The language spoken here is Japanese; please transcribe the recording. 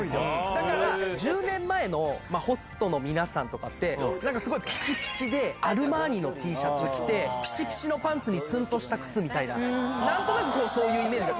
だから、１０年前のホストの皆さんとかって、なんかすごいぴちぴちで、アルマーニのＴシャツを着て、ぴちぴちのパンツにつんとした靴みたいな、なんとなくそういうイメージが。